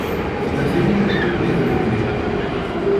Tella tin i yukren idrimen-iw.